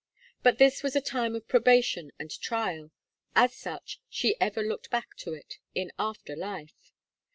But this was a time of probation and trial: as such she ever looked back to it, in after life.